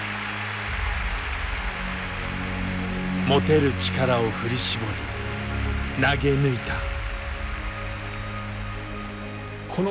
持てる力を振り絞り投げ抜いた。